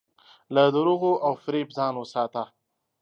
له دروغو او فریب ځان وساته.